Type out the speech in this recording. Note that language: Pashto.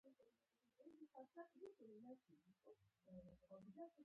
ځغاسته د انرژۍ لوړتیا سبب کېږي